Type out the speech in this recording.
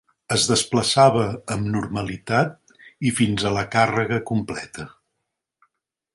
Es desplaçava amb normalitat i fins a la càrrega completa.